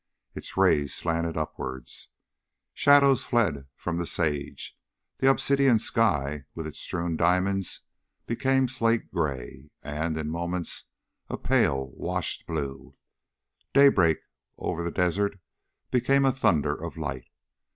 Its rays slanted upward, shadows fled from the sage; the obsidian sky with its strewn diamonds became slate gray and, in moments, a pale washed blue. Daybreak over the desert became a thunder of light.